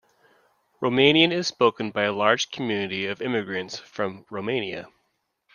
Romanian is spoken by a large community of immigrants from Romania.